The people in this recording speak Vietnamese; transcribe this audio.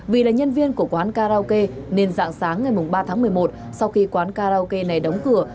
vì là nhân viên của quán karaoke nên dạng sáng ngày ba tháng một mươi một sau khi quán karaoke này đóng cửa